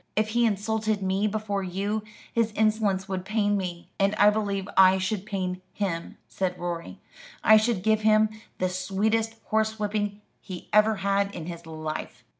If he insulted me before you, his insolence would pain me." "And I believe I should pain him," said Rorie. "I should give him the sweetest horsewhipping he ever had in his life."